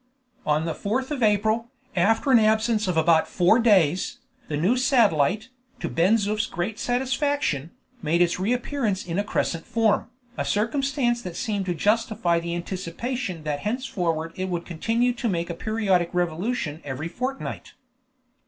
On the 4th of April, after an absence of about four days, the new satellite, to Ben Zoof's great satisfaction, made its reappearance in a crescent form, a circumstance that seemed to justify the anticipation that henceforward it would continue to make a periodic revolution every fortnight.